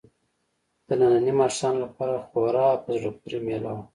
د ننني ماښام لپاره خورا په زړه پورې مېله وه.